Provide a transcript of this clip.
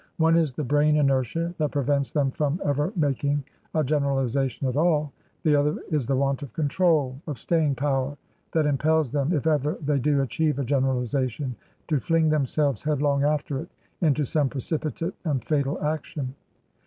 One is the brain inertia that prevents them from ever making a generalization at all; the other is the want of control — of staying power — that impels them, if ever they do achieve a generalization, to fling them selves headlong after it into some precipitate and fatal action."